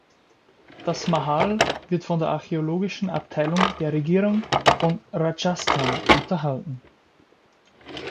Das Mahal wird von der archäologischen Abteilung der Regierung von Rajasthan unterhalten.